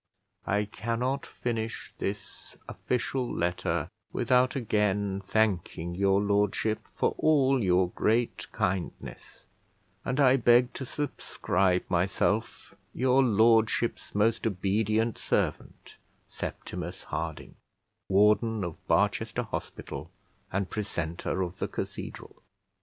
I cannot finish this official letter without again thanking your Lordship for all your great kindness, and I beg to subscribe myself Your Lordship's most obedient servant, SEPTIMUS HARDING, Warden of Barchester Hospital, and Precentor of the Cathedral.